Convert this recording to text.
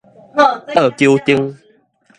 倒勼燈